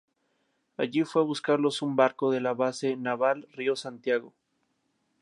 Allí fue a buscarlos un barco de la Base Naval Río Santiago.